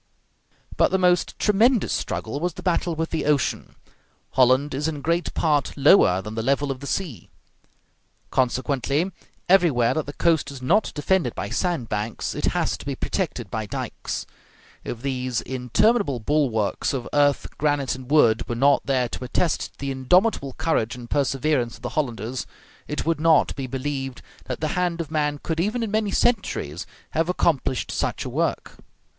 But the most tremendous struggle was the battle with the ocean. Holland is in great part lower than the level of the sea; consequently, everywhere that the coast is not defended by sand banks it has to be protected by dikes. If these interminable bulwarks of earth, granite, and wood were not there to attest the indomitable courage and perseverance of the Hollanders, it would not be believed that the hand of man could, even in many centuries, have accomplished such a work.